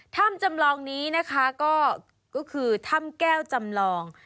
ถ้ำจำลองนี้นะคะก็คือถ้ำแก้วจำลอง